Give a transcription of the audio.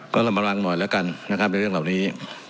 ก็ลำบังลังหน่อยแล้วกันในเรื่องเหล่านี้